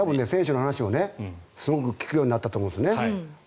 多分選手の話をすごく聞くようになったと思うんですね。